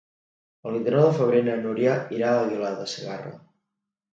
El vint-i-nou de febrer na Núria irà a Aguilar de Segarra.